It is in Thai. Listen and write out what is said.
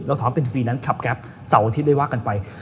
สอนให้เป็นฟรีแลนซ์ขับแก๊ปเสาร์อาทิตย์ได้ว่ากันไป